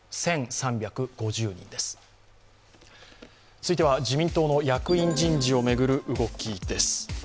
続いては、自民党の役員人事を巡る動きです。